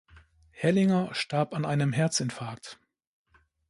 Herrlinger starb an einem Herzinfarkt.